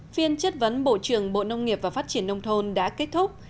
phiên chất vấn bộ trưởng bộ nông nghiệp và phát triển nông thôn đã kết thúc